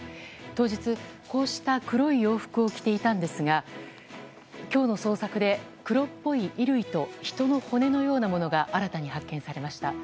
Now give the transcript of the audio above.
当日こうした黒い洋服を着ていたんですが今日の捜索で黒っぽい衣類と人の骨のようなものが新たに発見されました。